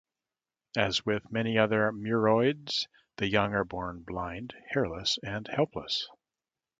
As with many other muroids, the young are born blind, hairless, and helpless.